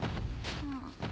ああ？